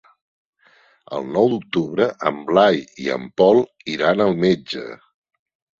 El nou d'octubre en Blai i en Pol iran al metge.